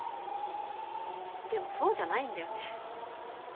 でもそうじゃないんだよね。